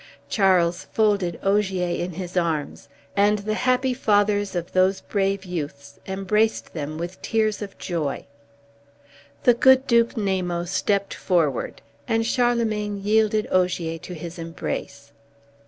Charles folded Ogier in his arms, and the happy fathers of those brave youths embraced them with tears of joy. The good Duke Namo stepped forward, and Charlemagne yielded Ogier to his embrace.